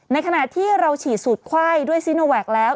ขณะที่เราฉีดสูตรไข้ด้วยซิโนแวคแล้ว